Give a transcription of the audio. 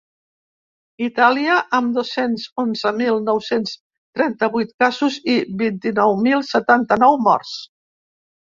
Itàlia, amb dos-cents onze mil nou-cents trenta-vuit casos i vint-i-nou mil setanta-nou morts.